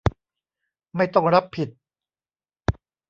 ไม่ต้องรับผิด